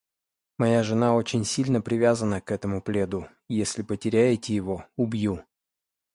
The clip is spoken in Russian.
Моя жена очень сильно привязана к этому пледу. Если потеряете его — убью.